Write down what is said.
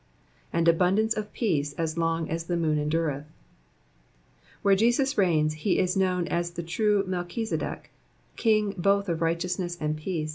"'^And abundance of peace so long as the moon endureth/' Where Jesus reigpaa he is known as the true Melchizcdek, king both of righteousness and peace.